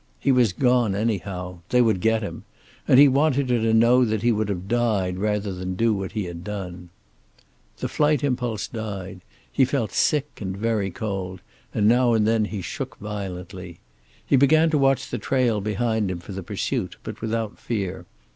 He was gone anyhow. They would get him. And he wanted her to know that he would have died rather than do what he had done. The flight impulse died; he felt sick and very cold, and now and then he shook violently. He began to watch the trail behind him for the pursuit, but without fear.